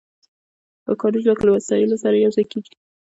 کاري ځواک له وسایلو سره یو ځای کېږي